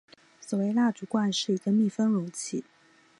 所谓蜡烛罐是一个密封容器。